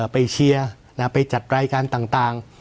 เชียร์ไปจัดรายการต่าง